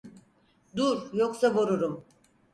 Dur yoksa vururum!